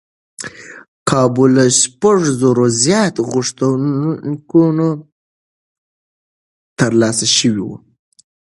کابو له شپږ زرو زیات غوښتنلیکونه ترلاسه شوي و.